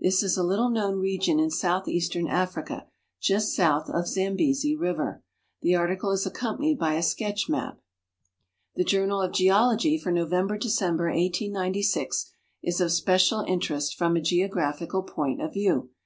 This is a little known region in southeastern Africa, just south of Zambesi river. The article is accompanied by a sketch map. The Journal of Geologij for November December, 1896, is of special in terest from a geographic point of view.